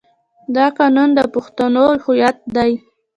دا قانون د پښتنو هویت دی.